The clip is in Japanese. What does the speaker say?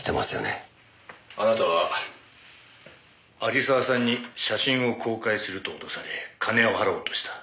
「あなたは有沢さんに写真を公開すると脅され金を払おうとした」